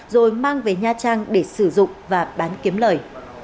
rồi mang về nha trang để sử dụng và bán kiếm lời